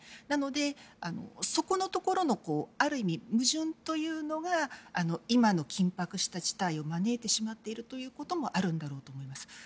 なので、そこのところのある意味、矛盾というのが今の緊迫した事態を招いてしまっているということもあるんだろうと思います。